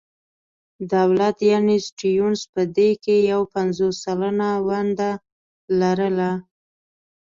دولت یعنې سټیونز په دې کې یو پنځوس سلنه ونډه لرله.